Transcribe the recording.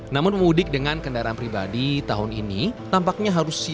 namun pemudik dengan kendaraan pribadi tahun ini tampaknya harus siap